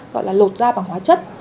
gọi là lột da bằng hóa chất